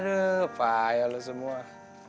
aduh payah lo semua